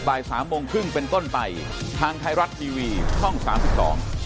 บ่ายสามโมงครึ่งเป็นต้นไปทางไทยรัฐทีวีช่องสามสิบสอง